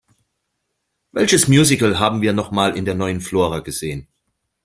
Welches Musical haben wir noch mal in der Neuen Flora gesehen?